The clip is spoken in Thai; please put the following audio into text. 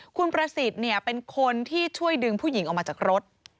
คุณประสิทธิ์เป็นคนที่ช่วยดึงผู้หญิงออกมาจากรถ